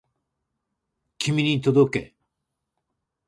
君に届け